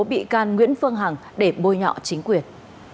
bị can nguyễn phương hằng để bôi nhọ chính quyền